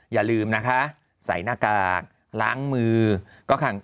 อย่าลืมนะคะใส่หน้ากากล้างมือก็ขัง